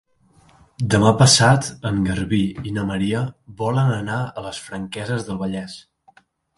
Demà passat en Garbí i na Maria volen anar a les Franqueses del Vallès.